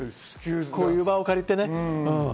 こういう場を借りてね。